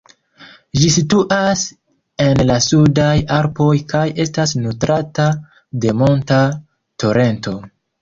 Ĝi situas en la Sudaj Alpoj kaj estas nutrata de monta torento.